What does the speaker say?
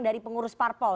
dari pengurus parpol